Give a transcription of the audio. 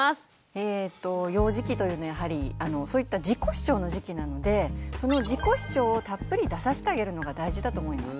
えと幼児期というのはやはりそういった自己主張の時期なのでその自己主張をたっぷり出させてあげるのが大事だと思います。